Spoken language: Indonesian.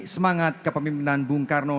semangat kepemimpinan bung karno